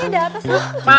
ini ada apa sumpah